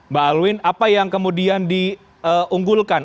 mbak alwin apa yang kemudian diunggunakan ya